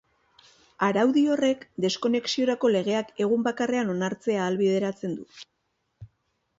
Araudi horrek deskonexiorako legeak egun bakarrean onartzea ahalbidetzen du.